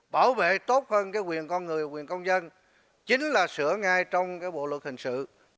bảo vệ tốt hơn quyền con người quyền công dân chính là sửa ngay trong bộ luật hình sự